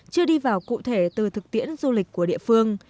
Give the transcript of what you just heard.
chưa đi vào cụ thể từ thực tiễn du lịch của địa phương